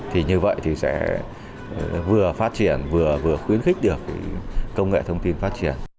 thì như vậy thì sẽ vừa phát triển vừa vừa khuyến khích được công nghệ thông tin phát triển